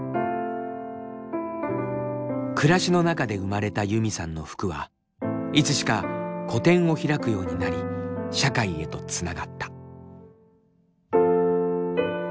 暮らしの中で生まれたユミさんの服はいつしか個展を開くようになり社会へとつながった。